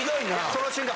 その瞬間